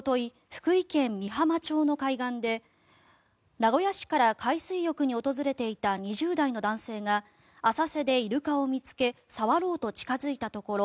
福井県美浜町の海岸で名古屋市から海水浴に訪れていた２０代の男性が浅瀬でイルカを見つけ触ろうと近付いたところ